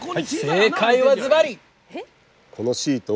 正解はずばり！